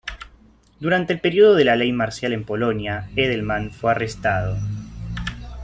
Durante el período de la ley Marcial en Polonia, Edelman fue arrestado.